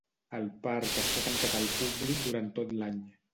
El parc està tancat al públic durant tot l'any.